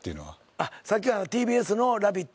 あっさっきはＴＢＳの『ラヴィット！』